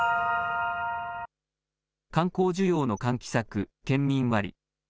観光需要の喚起策、県民割。